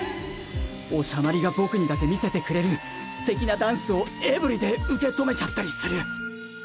オシャマリが僕にだけ見せてくれるすてきなダンスをエブリディ受け止めちゃったりする。